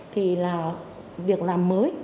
thì là việc làm mới